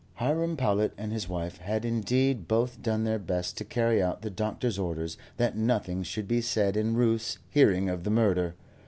Hiram Powlett and his wife had indeed both done their best to carry out the doctor's orders that nothing should be said in Ruth's hearing of the murder.